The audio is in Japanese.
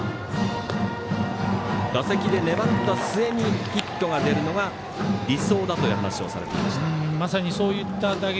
打席で粘った末にヒットが出るのが理想だという話をされていました。